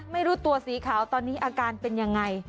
ไม่รู้ตัวสีขาวตอนนี้อาการเป็นยังไง